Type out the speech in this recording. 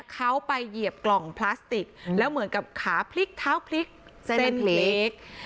เขาไปเหยียบกล่องพลาสติกแล้วเหมือนกับขาพลิกเท้าพลิกเส้นเล็ก